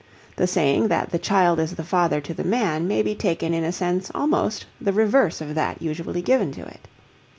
The saying that the child is the father to the man may be taken in a sense almost the reverse of that usually given to it.